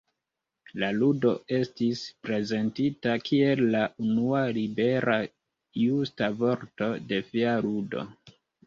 La ludo estis prezentita kiel la unua libera justa vorto-defia ludo.